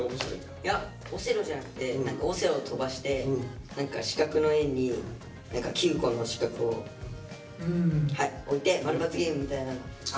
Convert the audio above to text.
いやオセロじゃなくてオセロを飛ばして何か四角の絵に何か９個の四角を置いてマルバツゲームみたいなのを。